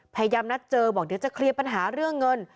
พยายามนัดเจอบอกเดี๋ยวจะเคลียร์ปัญหาเรื่องเงิน